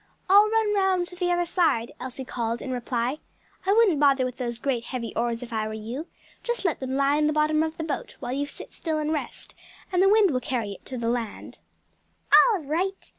"I'll run round to the other side," Elsie called in reply. "I wouldn't bother with those great heavy oars, if I were you; just let them lie in the bottom of the boat, while you sit still and rest, and the wind will carry it to the land." "All right!"